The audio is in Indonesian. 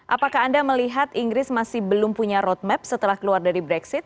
apakah anda melihat inggris masih belum punya roadmap setelah keluar dari brexit